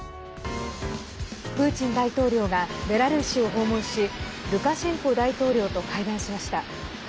プーチン大統領がベラルーシを訪問しルカシェンコ大統領と会談しました。